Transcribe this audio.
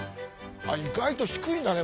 あっ意外と低いんだね